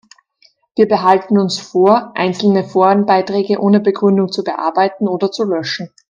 Wir behalten uns vor, einzelne Forenbeiträge ohne Begründung zu bearbeiten oder zu löschen.